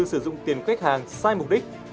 sử dụng tiền khách hàng sai mục đích